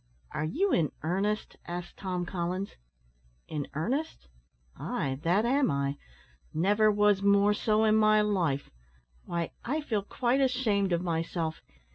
"Are you in earnest?" asked Tom Collins. "In earnest! ay, that am I; never was more so in my life. Why, I feel quite ashamed of myself.